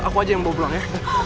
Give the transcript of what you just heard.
aku aja yang bawa pulang ya